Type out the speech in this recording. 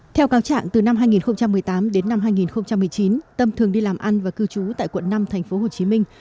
theo cáo trạng từ năm hai nghìn một mươi tám đến năm hai nghìn một mươi chín tâm thường đi làm ăn và cư trú tại quận năm thành phố hồ chí minh